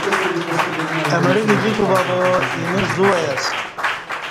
اہ مڑہ گج کوبہ با اینہ زو وای اسہ